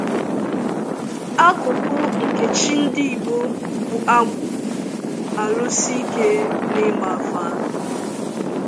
Akụkụ nke chi ndị Igbo bụ "Agwu", alusi ahụike n' ịgba afa.